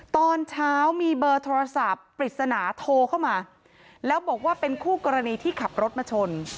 ตอนเช้ามีเบอร์โทรศัพท์ปริศนาโทรเข้ามาแล้วบอกว่าเป็นคู่กรณีที่ขับรถมาชน